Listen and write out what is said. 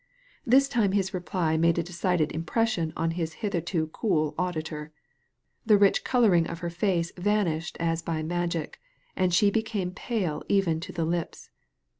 This time his reply made a decided impression on his hitherto cool auditor. The rich colouring of her face vanished as by magic, and she became pale even to the lips.